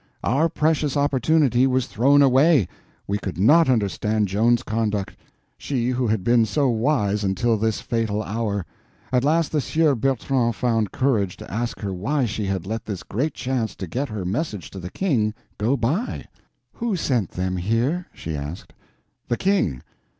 Our precious opportunity was thrown away; we could not understand Joan's conduct, she who had been so wise until this fatal hour. At last the Sieur Bertrand found courage to ask her why she had let this great chance to get her message to the King go by. "Who sent them here?" she asked. "The King."